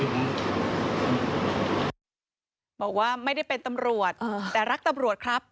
บอกว่าไม่ได้เป็นตำรวจแต่รักตำรวจครับ